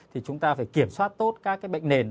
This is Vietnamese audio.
thì chúng ta phải kiểm soát tốt các cái bệnh nền